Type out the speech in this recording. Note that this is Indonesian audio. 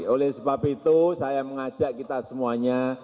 oleh sebab itu saya mengajak kita semuanya